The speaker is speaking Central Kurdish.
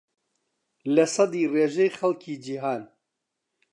لەسەدی ڕێژەی خەڵکی جیھان